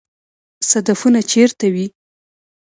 صدفونه چیرته وي؟